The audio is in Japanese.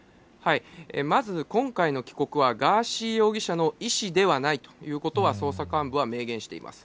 まず、今回の帰国は、ガーシー容疑者の意思ではないということは、捜査幹部は明言しています。